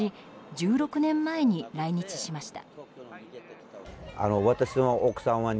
１６年前に来日しました。